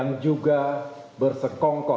memiliki kes that say